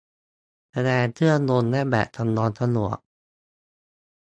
แสดงเครื่องยนต์และแบบจำลองจรวด